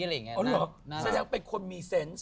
แสดงเป็นคนมีเซนต์